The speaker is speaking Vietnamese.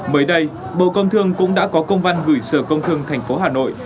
mới đây bộ công thương cũng đã có công văn gửi sở công thương thành phố hà nội